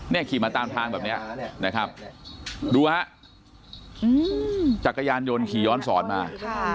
ขี่มาตามทางแบบนี้นะครับดูฮะจักรยานยนต์ขี่ย้อนสอนมา